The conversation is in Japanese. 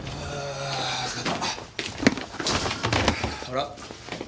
あら？